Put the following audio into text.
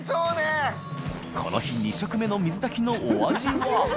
磴海瞭２食目の水炊きのお味は？